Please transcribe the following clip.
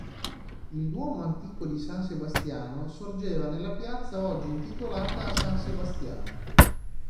Il duomo antico di San Sebastiano sorgeva nella piazza oggi intitolata a san Sebastiano.